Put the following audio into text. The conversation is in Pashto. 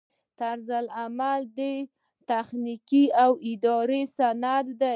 طرزالعمل یو تخنیکي او اداري سند دی.